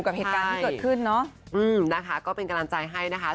กับเหตุการณ์ที่เกิดขึ้นเนาะนะคะก็เป็นกำลังใจให้นะคะ